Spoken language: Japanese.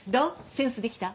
センスできた？